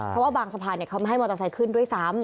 เพราะว่าบางสะพานเขาไม่ให้มอเตอร์ไซค์ขึ้นด้วยซ้ำ